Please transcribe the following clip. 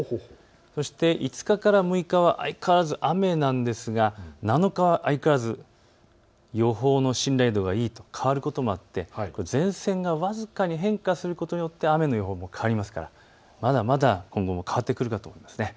そして５日から６日は相変わらず雨なんですが７日は相変わらず予報の信頼度がＥと変わることもあって前線が僅かに変化することによって雨の予報も変わりますからまだまだ今後も変わってくるかと思います。